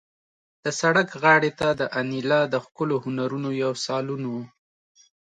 د سړک غاړې ته د انیلا د ښکلو هنرونو یو سالون و